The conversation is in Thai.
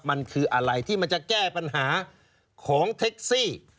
มันคืออะไรที่มันจะแก้ปัญหาของแท็กซี่